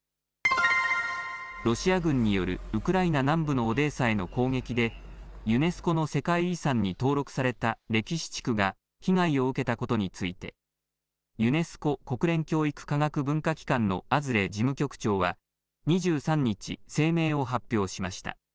ロシア軍によるウクライナ南部のオデーサへの攻撃でユネスコの世界遺産に登録された歴史地区が被害を受けたことについてユネスコ・国連教育科学文化機関のアズレ事務局長は２３日、声明を発表しました。